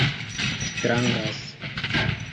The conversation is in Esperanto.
strangas